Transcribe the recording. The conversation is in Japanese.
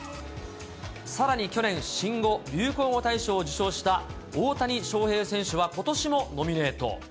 さらに去年、新語・流行語大賞を受賞した大谷翔平選手は、ことしもノミネート。